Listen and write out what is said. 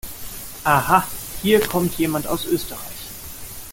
Aha, hier kommt jemand aus Österreich!